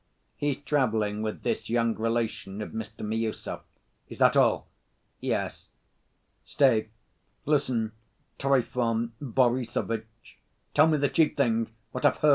He's traveling with this young relation of Mr. Miüsov." "Is that all?" "Yes." "Stay, listen, Trifon Borissovitch. Tell me the chief thing: What of her?